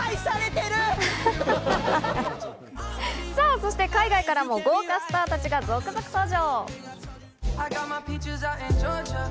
そして海外からも豪華スターたちが続々登場。